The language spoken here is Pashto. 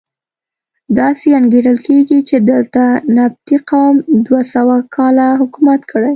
داسې انګېرل کېږي چې دلته نبطي قوم دوه سوه کاله حکومت کړی.